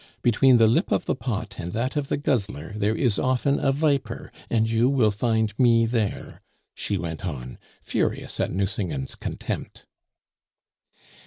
"Between the lip of the pot and that of the guzzler there is often a viper, and you will find me there!" she went on, furious at Nucingen's contempt.